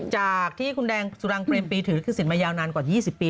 จากที่คุณแดงสุรังเปรมปีถือลิขสินมายาวนานกว่า๒๐ปี